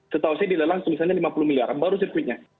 setahu saya di lelang misalnya rp lima puluh miliar baru sirkuitnya